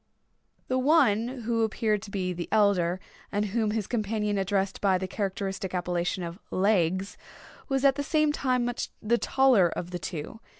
The one who appeared to be the elder, and whom his companion addressed by the characteristic appellation of "Legs," was at the same time much the taller of the two.